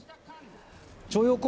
徴用工